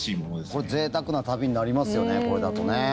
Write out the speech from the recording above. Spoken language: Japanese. これ、ぜいたくな旅になりますよね、これだとね。